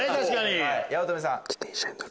八乙女さん。